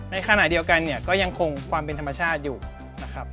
ในขณะเดียวกันเนี่ยก็ยังคงความเป็นธรรมชาติอยู่นะครับ